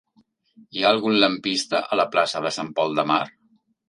Hi ha algun lampista a la plaça de Sant Pol de Mar?